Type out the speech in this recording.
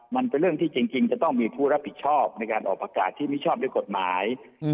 มันเป็นเรื่องที่จริงจะต้องมีผู้รับผิดชอบในการออกประกาศที่ไม่ชอบด้วยกฎหมาย